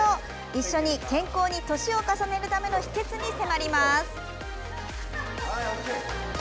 一緒に健康に年を重ねるための秘けつに迫ります。